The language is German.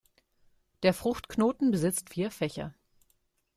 Der Fruchtknoten besitzt vier Fächer.